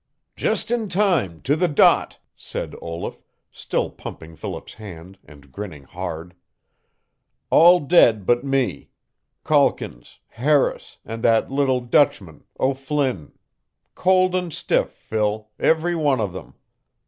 "Just in time to the dot," said Olaf, still pumping Philip's hand, and grinning hard. "All dead but me Calkins, Harris, and that little Dutchman, O'Flynn, Cold and stiff, Phil, every one of them.